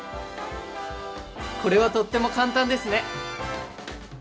これはとっても簡単ですね！